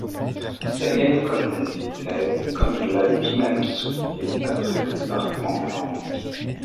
Daniel Cohn-Bendit naît, comme il l'a lui-même souligné, après le débarquement de Normandie.